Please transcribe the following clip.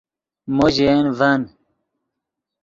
مو ژے ین ڤن